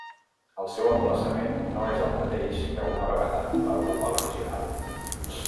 El seu emplaçament no és el mateix que una vegada va ocupar l'original.